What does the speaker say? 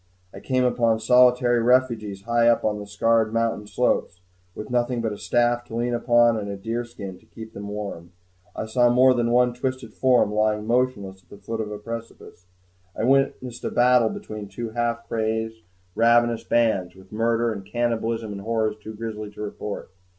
I came upon solitary refugees high up on the scarred mountain slopes, with nothing but a staff to lean upon and a deer skin to keep them warm. I saw more than one twisted form lying motionless at the foot of a precipice. I witnessed a battle between two half crazed, ravenous bands, with murder, and cannibalism, and horrors too grisly to report.